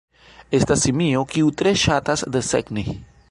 Estas simio kiu tre ŝatas desegni.